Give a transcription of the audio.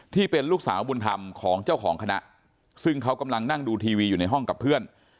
ที่เป็นลูกสาวบุญธรรมของเจ้าของคณะซึ่งเขากำลังนั่งดูทีวีอยู่ในห้องกับเพื่อน